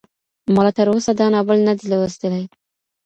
ما لا تر اوسه دا ناول نه دی لوستلی.